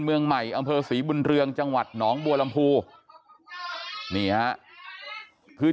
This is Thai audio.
เมืองใหม่อำเภอศรีบุญเรืองจังหวัดหนองบัวลำพูนี่ฮะคือ